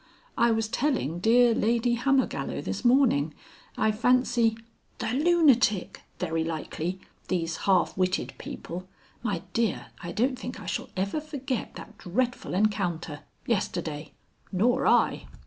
I was telling dear Lady Hammergallow this morning. I fancy " "The lunatic! Very likely. These half witted people.... My dear, I don't think I shall ever forget that dreadful encounter. Yesterday." "Nor I."